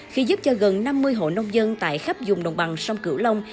khi giúp cho gần năm mươi hộ nông dân tại khắp dùng đồng bằng sông cửu long